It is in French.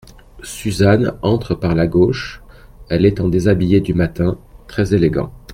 Suzanne entre par la gauche, elle est en déshabillé du matin, très élégant.